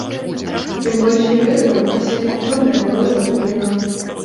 Тым больш, я ведаю, усё неабходнае было закуплена.